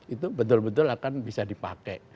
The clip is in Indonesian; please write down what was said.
itu betul betul akan bisa dipakai